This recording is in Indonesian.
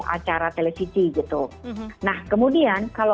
acara tiga g juga tuh nah kemudian kalau prabowo sudah dapat perhatian kita terutama